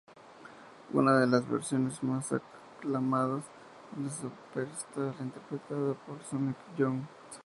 Una de las versiones más aclamadas es la de Superstar interpretada por Sonic Youth.